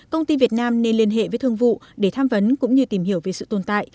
công ty việt nam nên liên hệ với thương vụ để tham vấn cũng như tìm hiểu về sự tồn tại